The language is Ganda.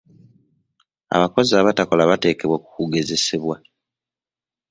Abakozi abatakola bateekebwa ku kugezesebwa.